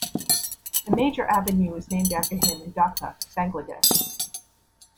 A major Avenue is named after him in Dhaka, Bangladesh.